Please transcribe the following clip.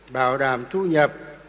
bảo đảm thu nhập